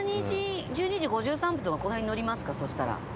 １２時１２時５３分とかこの辺に乗りますかそしたら。